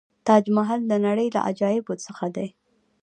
تاج محل د نړۍ له عجایبو څخه دی.